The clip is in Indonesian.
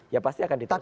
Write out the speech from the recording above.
ya pasti akan diteruskan